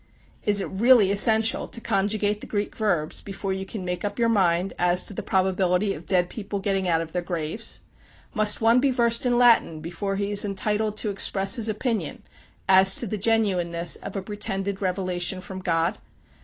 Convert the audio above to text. Is it really essential to conjugate the Greek verbs before you can make up your mind as to the probability of dead people getting out of their graves? Must one be versed in Latin before he is entitled to express his opinion as to the genuineness of a pretended revelation from God?